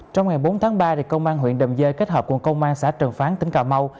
trong ngày bốn tháng ba công an huyện đầm dơi kết hợp cùng công an xã trần phán tỉnh cà mau